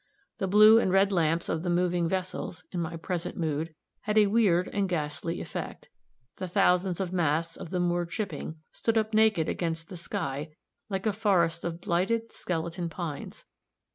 The blue and red lamps of the moving vessels, in my present mood, had a weird and ghastly effect; the thousands of masts of the moored shipping stood up naked against the sky, like a forest of blighted, skeleton pines.